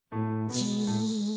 じ。